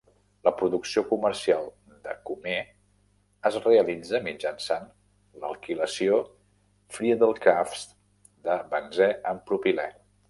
La producció comercial de cumè es realitza mitjançant l'alquilació Friedel-Crafts de benzè amb propilè.